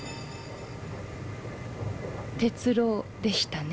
鉄郎でしたね。